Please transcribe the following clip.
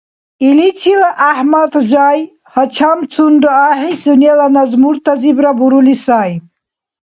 Иличила ГӀяхӀмадхай гьачамцунра ахӀи сунела назмуртазибра бурули сай.